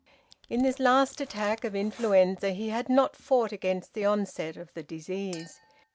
In this last attack of influenza he had not fought against the onset of the disease.